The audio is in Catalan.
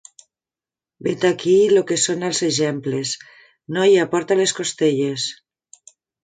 Vet-aquí lo que són els exemples. Noia, porta les costelles!